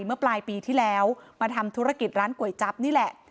เมื่อปลายปีที่แล้วมาทำธุรกิจร้านก๋วยจั๊บนี่แหละ